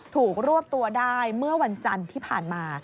รวบตัวได้เมื่อวันจันทร์ที่ผ่านมา